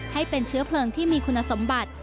ให้เป็นเชื้อเพลิงที่มีคุณสมบัติ